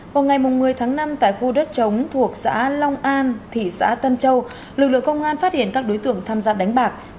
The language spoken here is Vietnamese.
vào ngày một mươi tháng năm tại khu đất trống thuộc xã long an thị xã tân châu lực lượng công an phát hiện các đối tượng tham gia đánh bạc